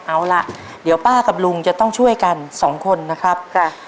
เอาล่ะเดี๋ยวป้ากับลุงจะต้องช่วยกันสองคนนะครับค่ะ